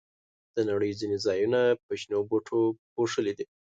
د نړۍ ځینې ځایونه په شنو بوټو پوښلي دي.